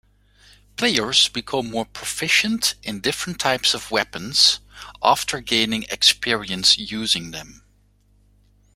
Players become more proficient in different types of weapons after gaining experience using them.